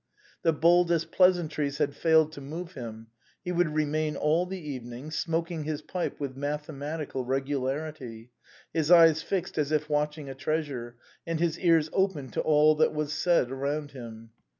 The boldest pleasantries had failed to move him ; he would remain all the evening, smoking his pipe with mathematical regularity, his eyes fixed as if watching a treasure, and his ears open to all that was said 138 THE BOHEMIANS OF THE LATIN QUARTER. around him.